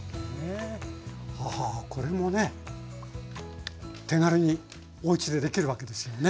ははこれもね手軽におうちでできるわけですよね？